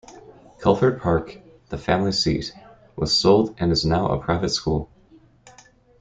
Culford Park, the family seat, was sold and is now a private school.